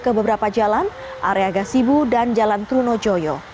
ke beberapa jalan area gasibu dan jalan trunojoyo